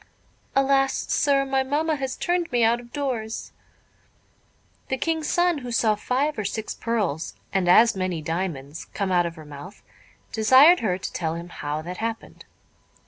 "Alas! sir, my mamma has turned me out of doors." The King's son, who saw five or six pearls, and as many diamonds, come out of her mouth, desired her to tell him how that happened.